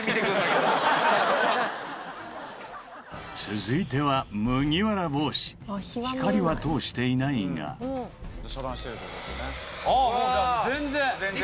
続いては光は通していないがもう全然！